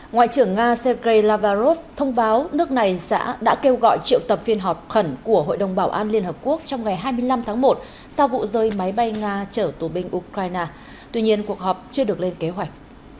ngoại trưởng nga sergei lavarrov thông báo nước này xã đã kêu gọi triệu tập phiên họp khẩn của hội đồng bảo an liên hợp quốc trong ngày hai mươi năm tháng một sau vụ rơi máy bay nga chở tù binh ukraine tuy nhiên cuộc họp chưa được lên kế hoạch